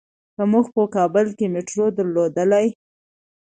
که مونږ په کابل کې مېټرو درلودلای.